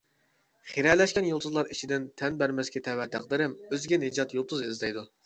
خىرەلەشكەن يۇلتۇزلار ئىچىدىن تەن بەرمەسكە تەۋە تەقدىرىم ئۆزىگە نىجات يۇلتۇزى ئىزدەيدۇ.